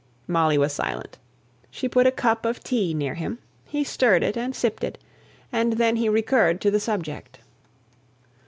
Molly was silent. She put a cup of tea near him; he stirred it, and sipped it, and then he recurred to the subject.